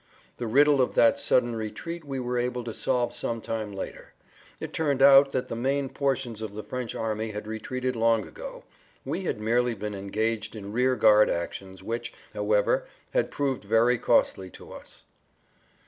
The riddle of that sudden retreat we were able to solve some time later. It turned out that the main portions of the French army had retreated long ago; we had merely been engaged in rear guard actions which, however, had proved very costly to us.